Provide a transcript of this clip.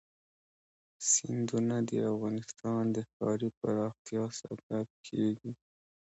سیندونه د افغانستان د ښاري پراختیا سبب کېږي.